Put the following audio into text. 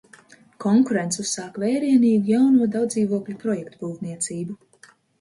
Konkurents uzsāk vērienīgu jauno daudzdzīvokļu projektu būvniecību.